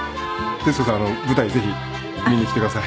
徹子さん舞台ぜひ見に来てください。